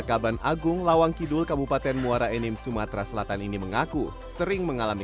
kaban agung lawang kidul kabupaten muara enim sumatera selatan ini mengaku sering mengalami